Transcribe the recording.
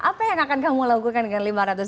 apa yang akan kamu lakukan dengan lima ratus